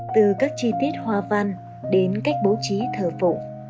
từ các chi tiết hoa văn đến cách bố trí thờ phụng